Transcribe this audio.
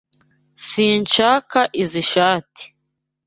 Sinshaka izoi shati.